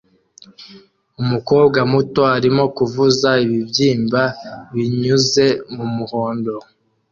Umukobwa muto arimo kuvuza ibibyimba binyuze mumuhondo